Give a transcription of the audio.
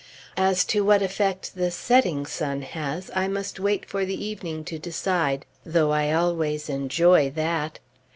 As to what effect the setting sun has, I must wait for the evening to decide, though I always enjoy that.